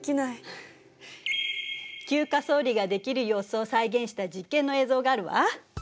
級化層理ができる様子を再現した実験の映像があるわ。